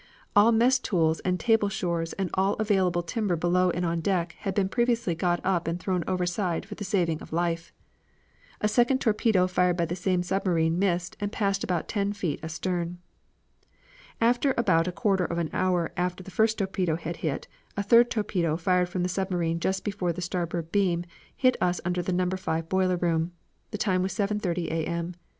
All mess stools and table shores and all available timber below and on deck had been previously got up and thrown overside for the saving of life. A second torpedo fired by the same submarine missed and passed about ten feet astern. "About a quarter of an hour after the first torpedo had hit, a third torpedo fired from the submarine just before the starboard beam, hit us under the No. 5 boiler room. The time was 7.30 A. M.